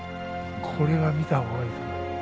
これは見たほうがいい。